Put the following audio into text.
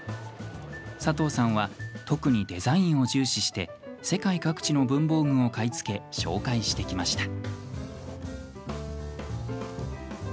佐藤さんは特にデザインを重視して世界各地の文房具を買い付け紹介してきました。